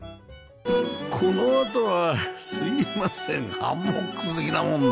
このあとはすいません